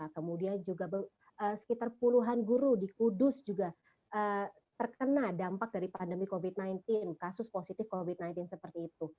kemudian juga sekitar puluhan guru di kudus juga terkena dampak dari pandemi covid sembilan belas kasus positif covid sembilan belas seperti itu